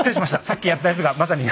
さっきやったやつがまさに。